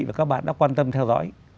và các bạn đã quan tâm theo dõi